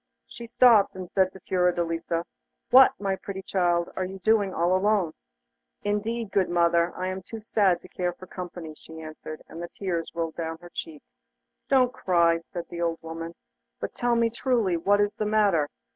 She stopped, and said to Fiordelisa: 'What, my pretty child, are you all alone?' 'Indeed, good mother, I am too sad to care for company,' she answered; and the tears ran down her cheeks. 'Don't cry,' said the old woman, 'but tell me truly what is the matter.